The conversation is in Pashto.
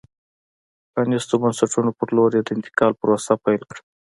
پرانیستو بنسټونو په لور یې د انتقال پروسه پیل کړه.